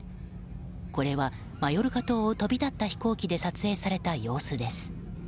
これは、マヨルカ島を飛び立った飛行機で撮影された様子です。